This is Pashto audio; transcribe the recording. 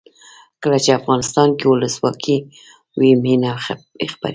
کله چې افغانستان کې ولسواکي وي مینه خپریږي.